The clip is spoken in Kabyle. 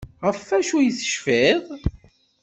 Ɣef wacu ay tecfiḍ?